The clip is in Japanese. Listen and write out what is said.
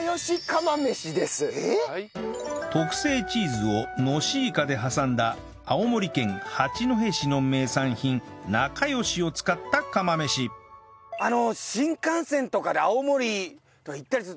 特製チーズをのしいかで挟んだ青森県八戸市の名産品なかよしを使った釜飯あった？